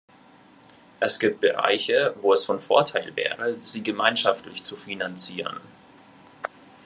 Es gibt Bereiche, wo es von Vorteil wäre, sie gemeinschaftlich zu finanzieren.